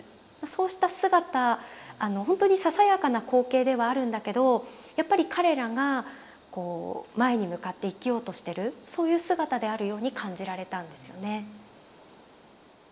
そうした姿ほんとにささやかな光景ではあるんだけどやっぱり彼らがこう前に向かって生きようとしてるそういう姿であるように感じられたんですよね。